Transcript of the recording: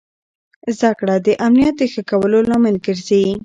زده کړه د امنیت د ښه کولو لامل ګرځي.